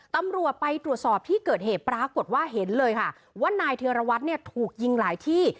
ตำรวจไปตรวจสอบที่เกิดเหตุปรากฏว่าเห็นเลยค่ะว่านายเทียรวัตรเนี่ยถูกยิงหลายที่